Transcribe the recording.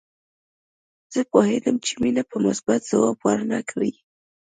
زه پوهېدم چې مينه به مثبت ځواب ورنه کړي